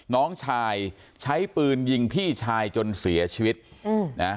น้องชายใช้ปืนยิงพี่ชายจนเสียชีวิตอืมนะ